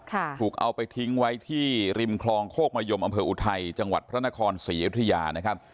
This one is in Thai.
ถูกเอาไปทิ้งไว้ที่ริมคลองโคกมะยมอำเภออุทัยจังหวัดพระนครศรีอยุธยานะครับ